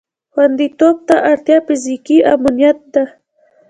خوندیتوب ته اړتیا فیزیکي امنیت ده.